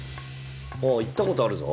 ああ行ったことあるぞ。